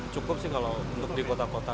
cukup sih kalau untuk di kota kota